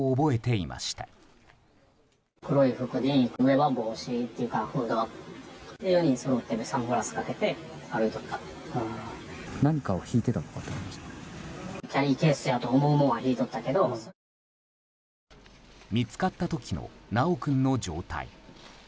見つかった時の修君の状態。